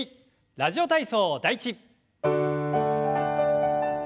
「ラジオ体操第１」。